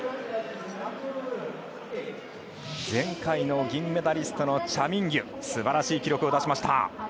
前回の銀メダリストのチャ・ミンギュすばらしい記録を出しました。